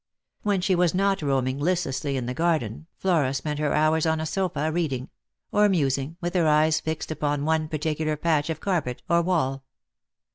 When she waa not roaming listlessly in the garden, Flora spent her hours on a sofa reading ; or musing, with her eyes fixed upon one particular patch of carpet or wall.